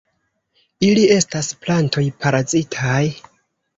Ili estas plantoj parazitaj.